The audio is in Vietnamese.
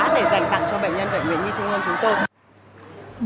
để dành tặng cho bệnh nhân bệnh viện nhi trung ương chúng tôi